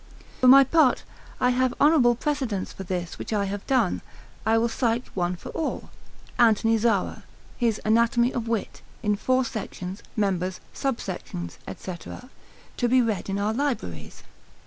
For my part, I have honourable precedents for this which I have done: I will cite one for all, Anthony Zara, Pap. Epis., his Anatomy of Wit, in four sections, members, subsections, &c., to be read in our libraries.